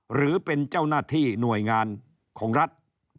หรือเป็นเจ้าหน้าที่หน่วยงานของรัฐ